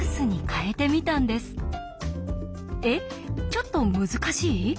ちょっと難しい？